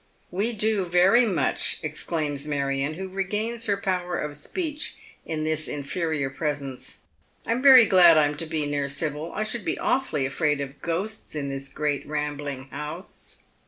" We do, verj' much," exclaims Marion, who regains her power of speech in this inferior presence. " Pm very glad Pm to be near Sibyl. I should be awfully afraid of ghosts in this great rambling house."